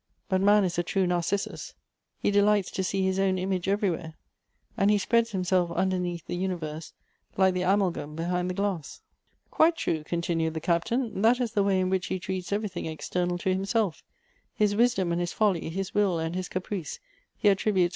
But man is a true Narcissus; he delights to see his own image everywhere ; and he spreads himself underneath the universe, like the amalgam behind the glass." " Quite true," continued the captain. " That is the way in which he treats everything external to himself His wisdom and his folly, his will and his caprice, he attrib utes